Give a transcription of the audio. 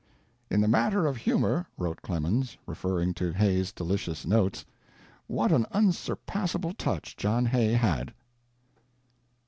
"In the matter of humor," wrote Clemens, referring to Hay's delicious notes, "what an unsurpassable touch John Hay had!"